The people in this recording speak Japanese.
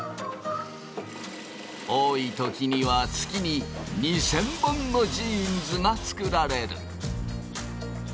多い時には月に２，０００本のジーンズが作られる。